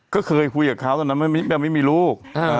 ก็เคยคุยกับเขาตอนนั้นไม่มีลูก